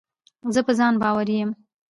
زه په ځان باوري یم.